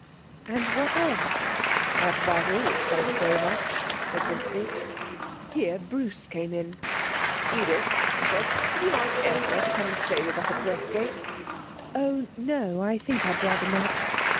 'And what else?' 'That's about all, thanks very much,' said Vincy. Here Bruce came in. 'Edith,' he said,' have you asked Aylmer to come and stay with us at Westgate?' 'Oh no. I think I'd rather not.'